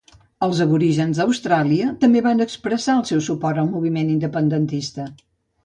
Els aborígens d'Austràlia també van expressar el seu suport al moviment independentista.